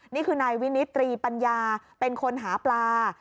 นี่คือนายวินิตรีปัญญาเป็นคนหาปลา